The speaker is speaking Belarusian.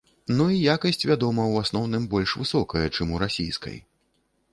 Ну і якасць, вядома, у асноўным больш высокая, чым у расійскай.